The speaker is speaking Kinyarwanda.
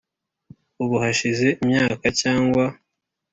Ubu hashize imyaka cyangwa